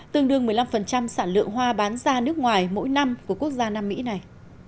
tương đương một mươi năm sản lượng hoa bán ra nước ngoài mỗi năm của quốc gia nam mỹ này